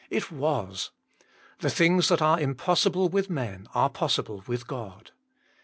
It was. The things that are im possible with men are possible with God.